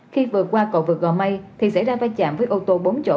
khi vừa qua cầu vực gò mây thì xảy ra vai trạm với ô tô bốn chỗ